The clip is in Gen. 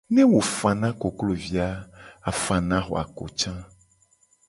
Ne wo fana koklovi a wo la fana ahwako ca.